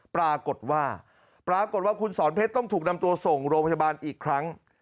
ปรากฏว่าปรากฏว่าคุณสอนเพชรต้องถูกนำตัวส่งโรงพยาบาลอีกครั้ง